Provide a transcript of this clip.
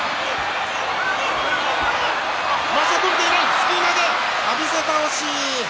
すくい投げ浴びせ倒し。